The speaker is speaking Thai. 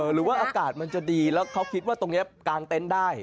หรือว่าอากาศมันจะดีแล้วเขาคิดว่าตรงนี้กางเต็นต์ได้